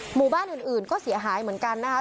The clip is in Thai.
หมู่บ้านอื่นก็เสียหายเหมือนกันนะคะ